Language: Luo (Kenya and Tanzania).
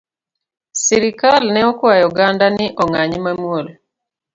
Sirikal ne okwayo oganda ni ong’any mamuol